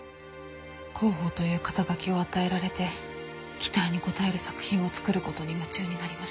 広報という肩書を与えられて期待に応える作品を作る事に夢中になりました。